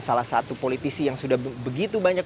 salah satu politisi yang sudah begitu banyak